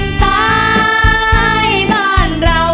เมื่อปอน่ากราชมิงกับน้องที่จะปีอ้า